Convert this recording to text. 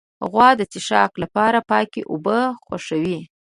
غوا د څښاک لپاره پاکې اوبه خوښوي.